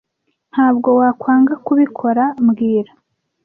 Ntabwo wakwanga kubikora mbwira